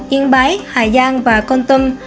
yên bái hà giang và công tâm